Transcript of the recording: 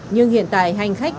nhưng hiện tại hành khách